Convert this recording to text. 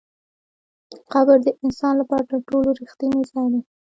قبر د انسان لپاره تر ټولو رښتینی ځای دی.